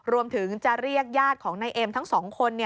รวมถึงจะเรียกญาติของนายเอ็มทั้งสองคน